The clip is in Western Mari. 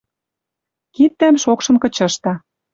Киддӓм шокшын кычышда